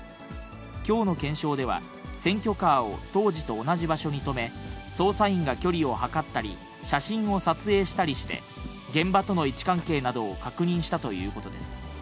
きょうの検証では、選挙カーを当時と同じ場所に止め、捜査員が距離を測ったり、写真を撮影したりして、現場との位置関係などを確認したということです。